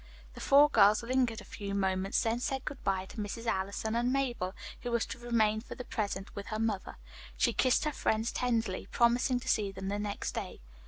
The four girls lingered a few moments, then said good bye to Mrs. Allison and Mabel, who was to remain for the present with her mother. She kissed her friends tenderly, promising to see them the next day.